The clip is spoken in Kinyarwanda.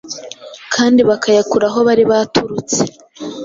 kandi bakayakura aho bari baturutse.